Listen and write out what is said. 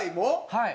はい。